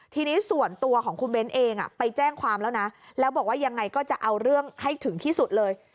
ทีนี้ส่วนตัวของคุณเบ้นเองไปแจ้งความแล้วนะแล้วบอกว่ายังไงก็จะเอาเรื่องให้ถึงที่สุดเลย